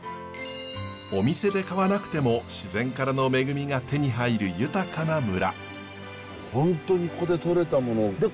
お店で買わなくても自然からの恵みが手に入る豊かな村。